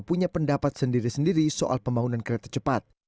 punya pendapat sendiri sendiri soal pembangunan kereta cepat